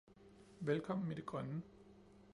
Velkommen i det grønne!